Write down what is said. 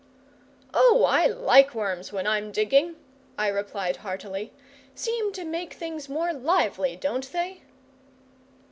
"Oh, I like worms when I'm digging," I replied heartily, "seem to make things more lively, don't they?"